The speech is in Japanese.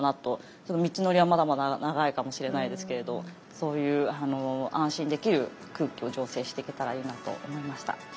その道のりはまだまだ長いかもしれないですけれどそういう安心できる空気を醸成していけたらいいなと思いました。